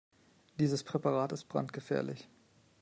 Dieses Präparat ist brandgefährlich.